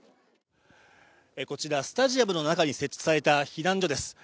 こちらスタジアムの中に設置された避難所です。